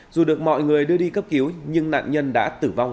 dù được mọi người đưa đi cấp cứu nhưng nạn nhân đã tử vong